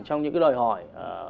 trong những đòi hỏi